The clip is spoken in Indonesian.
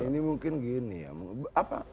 ini mungkin gini ya